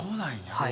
はい。